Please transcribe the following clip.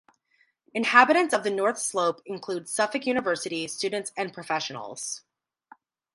Inhabitants of the north slope include Suffolk University students and professionals.